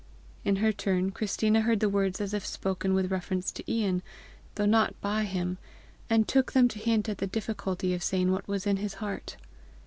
In her turn, Christina heard the words as if spoken with reference to Ian though not by him, and took them to hint at the difficulty of saying what was in his heart.